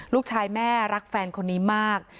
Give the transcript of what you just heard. ลูกชายแม่รักแฟนคนนี้มาก